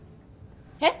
えっ？